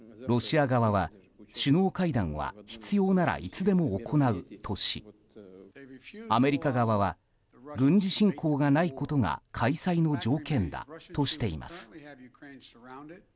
ロシア側は首脳会談は必要ならいつでも行うとしアメリカ側は軍事侵攻がないことが開催の条件だとしています。